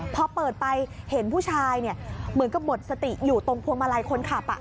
พอเปิดไปเห็นผู้ชายเหมือนกับหมดสติอยู่ตรงพวงมาลัยคนขับ